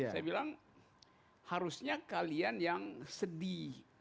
saya bilang harusnya kalian yang sedih